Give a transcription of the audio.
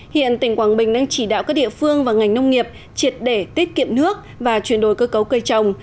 hiện tỉnh quảng bình đang chỉ đạo các địa phương và ngành nông nghiệp triệt để tiết kiệm nước và chuyển đổi cơ cấu cây trồng